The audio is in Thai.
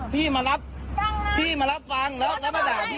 พี่มารับพี่มารับฟังแล้วแล้วมาด่าพี่